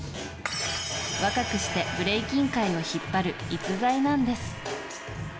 若くしてブレイキン界を引っ張る逸材なんです。